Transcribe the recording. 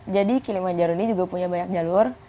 jadi kili manjaro ini juga punya banyak jalur